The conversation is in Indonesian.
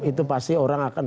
itu pasti orang akan